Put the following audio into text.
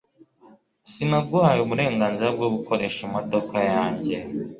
Sinaguhaye uburenganzira bwo gukoresha imodoka yanjye